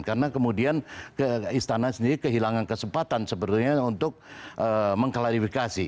karena kemudian istana sendiri kehilangan kesempatan sebetulnya untuk mengklarifikasi